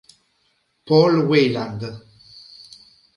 Paul Weiland